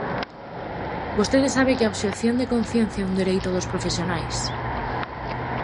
Vostede sabe que a obxección de conciencia é un dereito dos profesionais.